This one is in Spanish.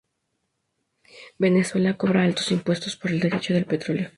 Venezuela cobraba altos impuestos por el derecho del petróleo.